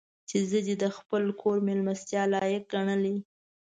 چې زه دې د خپل کور مېلمستیا لایق ګڼلی.